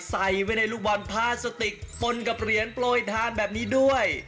ใส่ไว้ในรูปวันพาสติกปนกับเหรียญปล่อยทานแบบนี้ด้วย